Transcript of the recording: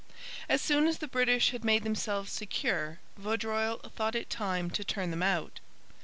As soon as the British had made themselves secure Vaudreuil thought it time to turn them out.